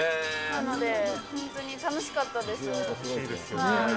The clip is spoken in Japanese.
なので、本当に楽しかったです。